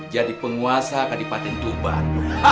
jadi penguasa kadipatin tuban